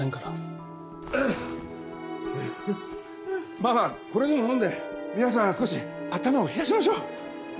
まあまあこれでも飲んで皆さん少し頭を冷やしましょう。